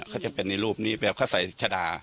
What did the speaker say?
เขาจะเป็นในรูปนี้แบบเขาใส่ชะดา